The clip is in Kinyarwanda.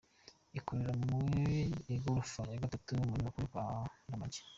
Ikorera mu igorofa ya Gatatu, mu nyubako yo kwa Ndamage.